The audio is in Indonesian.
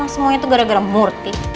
semuanya tuh gara gara murti